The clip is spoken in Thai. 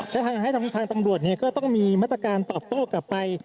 และทางตำรวจก็ต้องมีมาตรการตอบโต้กลับไป